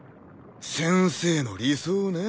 先生の理想ね。